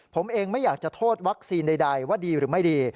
ผมเองไม่อยากจะโทษวัคซีนใดว่าดีหรือไม่ดี